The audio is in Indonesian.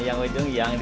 yang ujung yang di